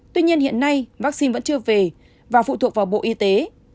tuy nhiên hiện nay vaccine vẫn chưa về và phụ thuộc vào bộ y tế